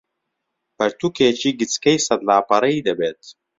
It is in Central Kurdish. پەرتووکێکی گچکەی سەد لاپەڕەیی دەبێت